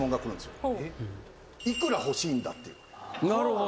なるほど。